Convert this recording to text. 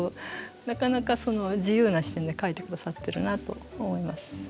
なかなか自由な視点で描いてくださってるなと思います。